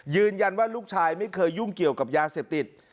ยืนยันว่าลูกชายไม่เคยยุ่งเกี่ยวกับยาเสพติด